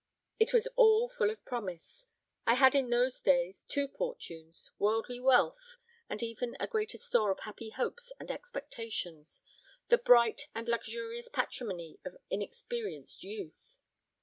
It was all full of promise. I had in those days two fortunes: worldly wealth, and even a greater store of happy hopes and expectations the bright and luxuriant patrimony of inexperienced youth.